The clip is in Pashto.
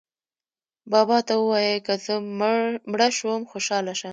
بابا ته ووایئ که زه مړه شوم خوشاله شه.